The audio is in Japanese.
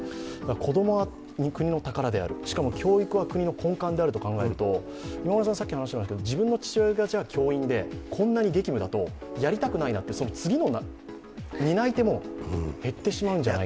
子供は国の宝である、しかも教育は国の根幹であると考えると、今村さんは自分の父親が教員で、こんなに激務だとやりたくないなと、その次の担い手も減ってしまうのではないか。